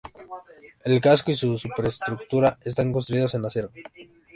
El casco y su superestructura están construidos en acero.